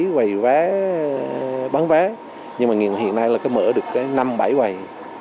quầy vé bán vé nhưng mà hiện nay là mở được năm bảy quầy